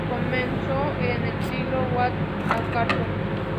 Comenzó en el ciclo What a Cartoon!